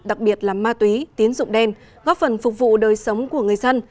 đặc biệt là ma túy tiến dụng đen góp phần phục vụ đời sống của người dân